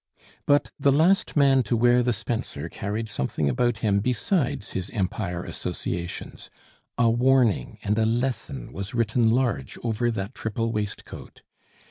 But the last man to wear the spencer carried something about him besides his Empire Associations; a warning and a lesson was written large over that triple waistcoat.